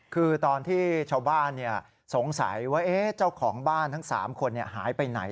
คือตอนที่ชาวบ้านสงสัยว่าเจ้าของบ้านทั้ง๓คนหายไปไหน